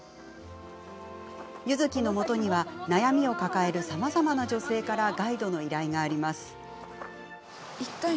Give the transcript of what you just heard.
柚月のもとには、悩みを抱えるさまざまな女性からガイドの依頼があります。